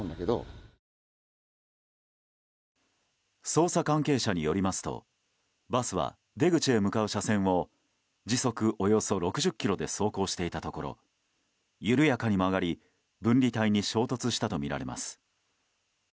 捜査関係者によりますとバスは出口へ向かう車線を時速およそ６０キロで走行していたところ緩やかに曲がり分離帯に衝突したとみられます。